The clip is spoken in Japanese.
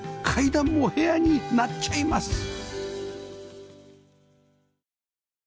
階段も部屋になっちゃいます